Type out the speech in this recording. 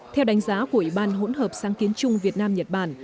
theo đánh giá của ủy ban hỗn hợp sáng kiến chung việt nam nhật bản